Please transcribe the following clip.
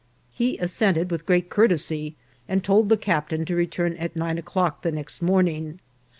He assented with great courtesy, and told the captain to return at nine o'clock the next morning.